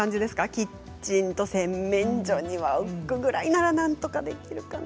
キッチンと洗面所には置くぐらいならなんとかできるかな。